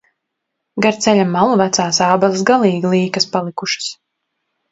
Gar ceļa malu vecās ābeles galīgi līkas palikušas.